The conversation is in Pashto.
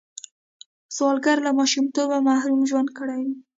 سوالګر له ماشومتوبه محروم ژوند کړی وي